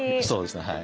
そうですね。